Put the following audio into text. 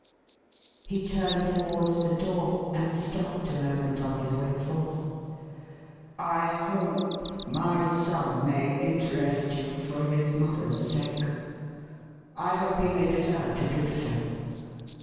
11 He turned towards the door, and stopped a moment on his way forth. " I hope my son may interest you for his mother's sake. I hope he may deserve to do so.